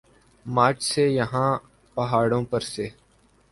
مارچ سے یہاں پہاڑوں پر سے